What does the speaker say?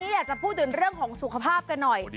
อยากจะพูดถึงเรื่องของสุขภาพกันหน่อย